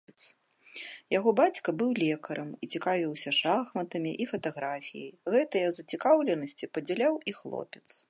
Яго бацька быў лекарам і цікавіўся шахматамі і фатаграфіяй, гэтыя зацікаўленасці падзяляў і хлопец.